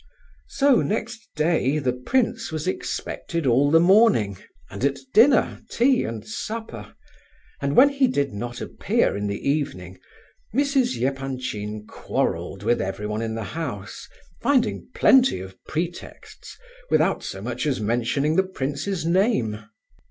So next day the prince was expected all the morning, and at dinner, tea, and supper; and when he did not appear in the evening, Mrs. Epanchin quarrelled with everyone in the house, finding plenty of pretexts without so much as mentioning the prince's name.